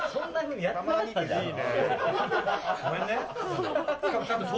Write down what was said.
ごめんね。